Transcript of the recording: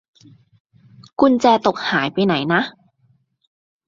กุญแจตกหายไปไหนนะ